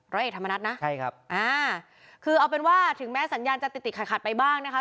ร้อยเอกธรรมนัฐนะใช่ครับอ่าคือเอาเป็นว่าถึงแม้สัญญาณจะติดติดขัดขัดไปบ้างนะคะ